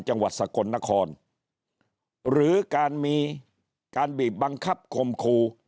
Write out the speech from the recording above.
จังหวัดสกลนครหรือการมีการบีบบังคับคมครู